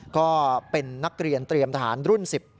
ก็เป็นนักเรียนเตรียมทหารรุ่น๑๐